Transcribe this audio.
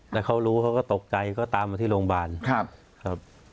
แล้วเขารู้เขาก็ตกใจก็ตามมาที่โรงพยาบาลครับ